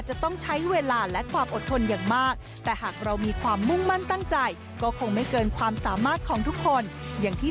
เฮ้ยมีสิ่งที่เราแบบเด้วมาขนาดนี้เหนื่อยมาขนาดนี้